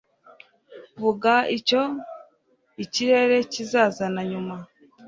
vuga icyo ikirere kizazana nyuma